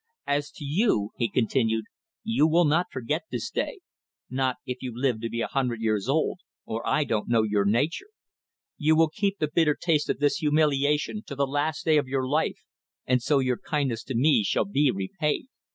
As to you,' he continued, 'you will not forget this day not if you live to be a hundred years old or I don't know your nature. You will keep the bitter taste of this humiliation to the last day of your life, and so your kindness to me shall be repaid.